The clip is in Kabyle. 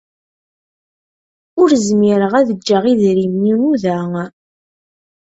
Ur zmireɣ ad jjeɣ idrimen-inu da.